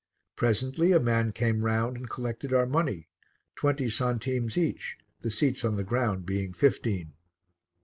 Presently a man came round and collected our money, twenty centimes each, the seats on the ground being fifteen.